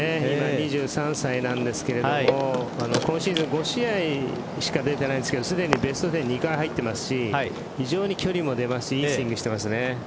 ２３歳なんですが今シーズン５試合しか出ていないんですけど既にベスト１０２回入ってますし非常に距離も出ますしいいスイングしていますね。